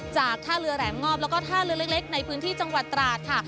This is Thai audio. จากท่าเรือแหลมงอบแล้วก็ท่าเรือเล็กในพื้นที่จังหวัดตราดค่ะ